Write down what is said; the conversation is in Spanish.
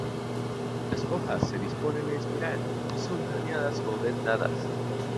Las hoja se disponen en espiral y son palmeadas o dentadas.